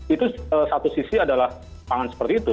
itu satu sisi adalah pangan seperti itu